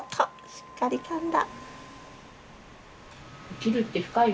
しっかりかんだ！